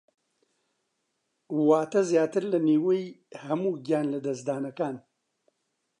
واتە زیاتر لە نیوەی هەموو گیانلەدەستدانەکان